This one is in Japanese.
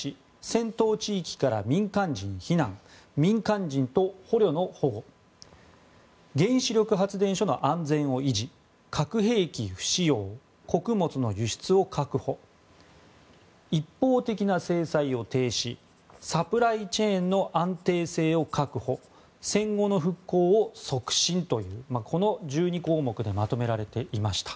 戦闘地域から民間人避難民間人と捕虜の保護原子力発電所の安全を維持核兵器不使用穀物の輸出を確保一方的な制裁を停止サプライチェーンの安定性を確保戦後の復興を促進というこの１２項目でまとめられていました。